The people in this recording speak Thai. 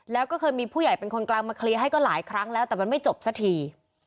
แล้วก็เคยมีผู้ใหญ่เป็นคนกลางมาเคลียร์ให้ก็หลายครั้งแล้วแต่มันไม่จบสักที